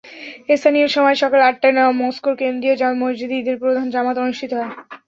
স্থানীয় সময় সকাল আটটায় মস্কোর কেন্দ্রীয় জামে মসজিদে ঈদের প্রধান জামাত অনুষ্ঠিত হয়।